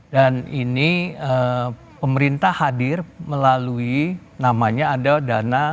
dan ini pemerintah hadir melalui namanya ada dana flpp